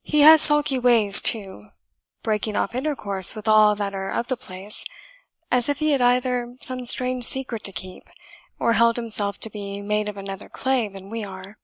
He has sulky ways too breaking off intercourse with all that are of the place, as if he had either some strange secret to keep, or held himself to be made of another clay than we are.